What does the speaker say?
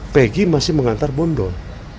pegi masih mengantar bondo